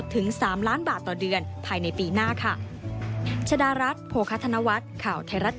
ถึง๓ล้านบาทต่อเดือนภายในปีหน้าค่ะ